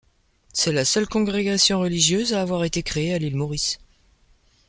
C'est la seule congrégation religieuse à avoir été créée à l'île Maurice.